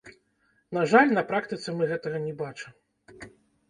На жаль, на практыцы мы гэтага не бачым.